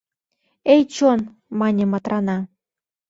— Эй, чон! — мане Матрана.